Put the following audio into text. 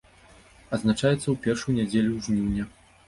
Адзначаецца ў першую нядзелю жніўня.